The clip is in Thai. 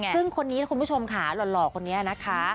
ซึ่งคนนี้นะคุณผู้ชมค่ะหล่อคนนี้นะคะ